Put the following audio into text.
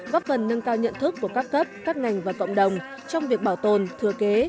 góp phần nâng cao nhận thức của các cấp các ngành và cộng đồng trong việc bảo tồn thừa kế